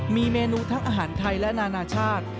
มีเมนูทั้งอาหารไทยและนานาชาติ